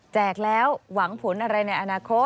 แล้วหวังผลอะไรในอนาคต